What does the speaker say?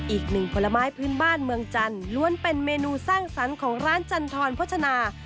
อีกหนึ่งผลไม้พื้นบ้านเมืองจันทร์ล้วนเป็นเมนูสร้างสรรค์ของร้านจันทรโภชนา